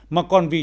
mà còn vì